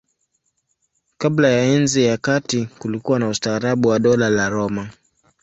Kabla ya Enzi ya Kati kulikuwa na ustaarabu wa Dola la Roma.